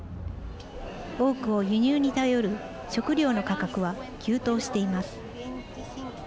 多くを輸入に頼る食料の価格は急騰しています。